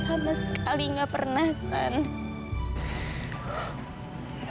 sama sekali gak pernah